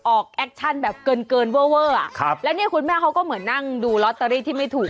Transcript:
ออกแอคชั่นแบบเกินเว้ออะแล้วนี่คุณแม่เขาก็เหมือนนั่งดูล็อตเตอรี่ที่ไม่ถูก